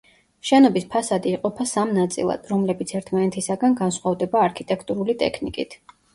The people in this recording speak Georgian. შენობის ფასადი იყოფა სამ ნაწილად, რომლებიც ერთმანეთისაგან განსხვავდება არქიტექტურული ტექნიკით.